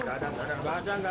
tidak ada tidak ada